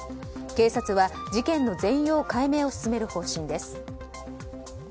警察は事件の全容解明を進める方針です。